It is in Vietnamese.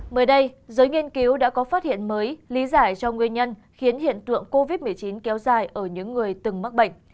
mới đây giới nghiên cứu đã có phát hiện mới lý giải cho nguyên nhân khiến hiện tượng covid một mươi chín kéo dài ở những người từng mắc bệnh